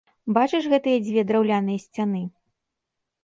Бачыш гэтыя дзве драўляныя сцяны?